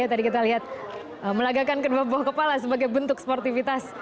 tadi kita lihat melagakan kedua buah kepala sebagai bentuk sportivitas